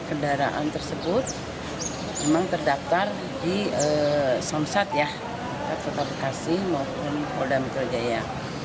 kendaraan tersebut memang terdaftar di somsat ya kota bekasi maupun kota mikro jaya